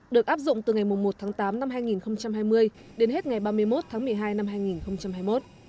được áp dụng từ ngày một tháng tám năm hai nghìn hai mươi đến hết ngày ba mươi một tháng một mươi hai năm hai nghìn hai mươi một